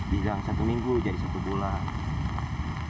bilang satu minggu jadi satu bulan